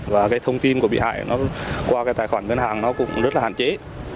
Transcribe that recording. và cái thông tin của bị hại nó qua cái tài khoản ngân hàng nó cũng rất là hạn chế